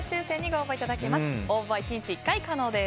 応募は１日１回可能です。